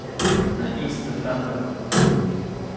Naʼyĩstäjtampa.